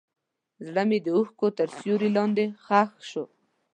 زړه مې د اوښکو تر سیوري لاندې ښخ شو.